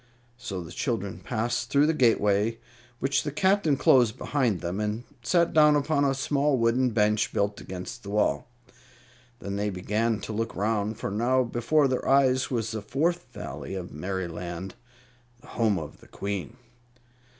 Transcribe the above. So the children passed through the gateway, which the Captain closed behind them, and sat down upon a small wooden bench built against the wall. Then they began to look around, for now before their eyes was the Fourth Valley of Merryland, the home of the Queen.